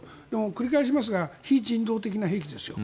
繰り返しますが非人道的な兵器ですよ。